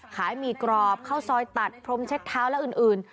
ขายหมี่กรอบเข้าซอยตัดพรมเช็ดเท้าและอื่นอื่น